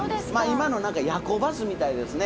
今の何か夜行バスみたいですね。